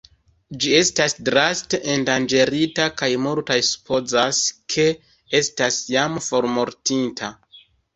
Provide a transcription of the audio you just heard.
Ĝi estas draste endanĝerita kaj multaj supozas, ke estas jam formortinta.